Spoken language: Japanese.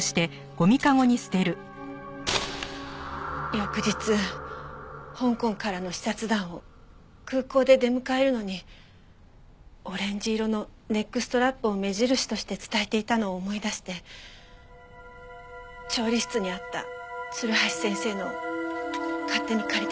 翌日香港からの視察団を空港で出迎えるのにオレンジ色のネックストラップを目印として伝えていたのを思い出して調理室にあった鶴橋先生のを勝手に借りてしまいました。